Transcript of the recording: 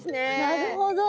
なるほど。